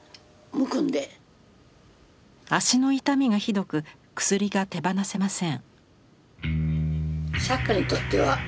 足の痛みがひどく薬が手放せません。